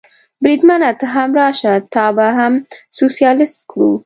بریدمنه، ته هم راشه، تا به هم سوسیالیست کړو.